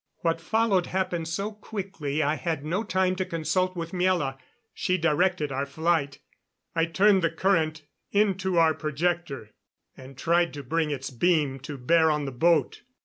What followed happened so quickly I had no time to consult with Miela. She directed our flight. I turned the current into our projector and tried to bring its beam to bear on the boat.